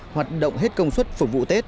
hoạt động hết công suất phục vụ tết